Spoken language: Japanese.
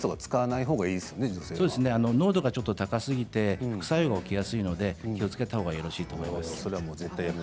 濃度が男性のほうが高すぎて副作用が起きやすいので気をつけてほしいと思います。